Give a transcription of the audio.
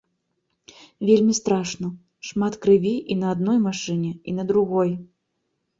Вельмі страшна, шмат крыві і на адной машыне і на другой.